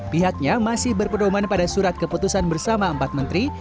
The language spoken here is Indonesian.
pihaknya masih berpedoman pada surat keputusan bersama empat menteri